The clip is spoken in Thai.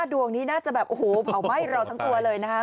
ดวงนี้น่าจะแบบโอ้โหเผาไหม้เราทั้งตัวเลยนะครับ